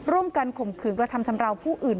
ร่วมกันข่มขึงและทำชำลาวผู้อื่น